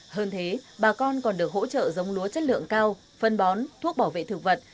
hơn thế bà con còn được hỗ trợ giống lúa chất lượng cao phân bón thuốc bảo vệ thực vật